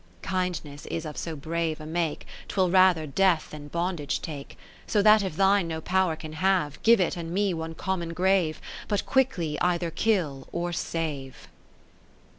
Kindness is of so brave a make, 'Twill rather death than bondage take ; So that if thine no power can have, (live it and me one common grave, But quickly either kill or save.